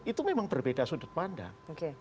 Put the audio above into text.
itu memang berbeda sudut pandang